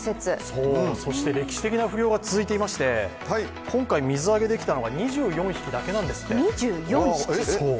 歴史的な不漁が続いていまして、今回、水揚げできたのが２４匹だけなんですって。